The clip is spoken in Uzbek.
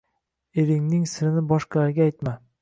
Eringning sirini boshqalarga aytma.